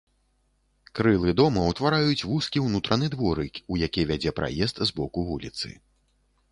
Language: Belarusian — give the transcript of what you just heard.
Крылы дома ўтвараюць вузкі ўнутраны дворык, у які вядзе праезд з боку вуліцы.